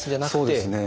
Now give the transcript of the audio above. そうですね。